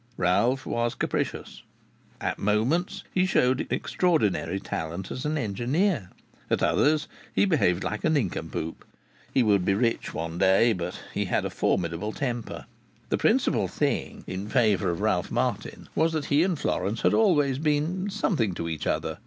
Ralph was capricious. At moments he showed extraordinary talent as an engineer; at others he behaved like a nincompoop. He would be rich one day; but he had a formidable temper. The principal thing in favour of Ralph Martin was that he and Florence had always been "something to each other."